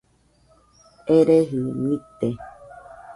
Ereji nite